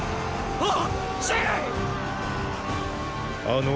あっ！